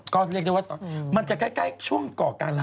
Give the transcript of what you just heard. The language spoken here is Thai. ก็เรียกได้ว่ามันจะใกล้ช่วงก่อการร้าย